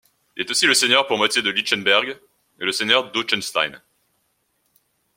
Il est aussi le seigneur pour moitié de Lichtenberg, et le seigneur d'Ochsenstein.